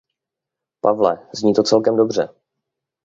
Pavle, zní to celkem dobře.